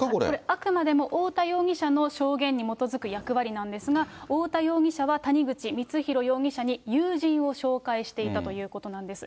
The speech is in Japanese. あくまでも太田容疑者の証言に基づく役割なんですが、太田容疑者は谷口光弘容疑者に友人を紹介していたということなんです。